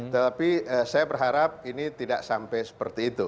tetapi saya berharap ini tidak sampai seperti itu